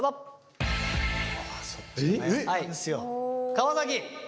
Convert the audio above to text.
川崎。